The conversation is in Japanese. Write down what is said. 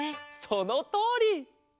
そのとおり！